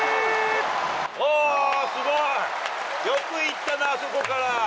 すごい！よく行ったな、あそこから。